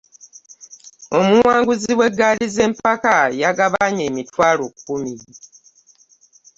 Omuwanguzi w'eggaali z'empaka yagabanye emitwalo kkumi.